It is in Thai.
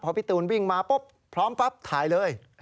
พี่ตูนวิ่งมาปุ๊บพร้อมปั๊บถ่ายเลย